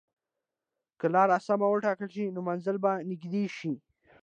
که لار سمه وټاکل شي، نو منزل به نږدې شي.